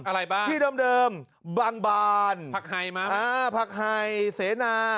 อะไรบ้างที่เดิมบางบานผักไห่มั้งอ่าผักไห่เสนา